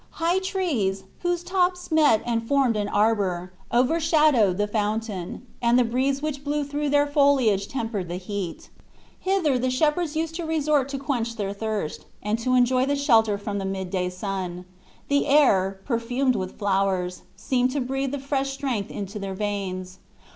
High trees, whose tops met and formed an arbor, over shadowed the fountain; and the breeze which blew through their foliage tempered the heat. Hither the shepherds used to resort to quench their thirst, and to enjoy the shelter from the midday sun. The air, perfumed with the flowers, seemed to breathe fresh strength into their veins.